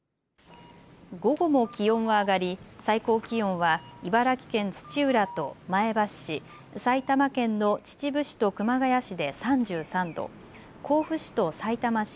午後も気温は上がり最高気温は茨城県土浦と前橋市、埼玉県の秩父市と熊谷市で３３度、甲府市とさいたま市